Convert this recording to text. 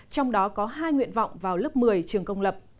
trong đó có hai nguyện vọng vào lớp một mươi trường công lập